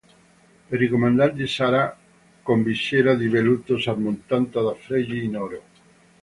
Per i comandanti sarà con visiera di velluto, sormontata da fregi in oro.